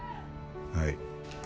はい。